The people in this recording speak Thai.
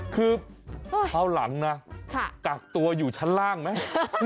คือที่ผ่านหลังกักตัวอยู่ชั้นล่างมั้ย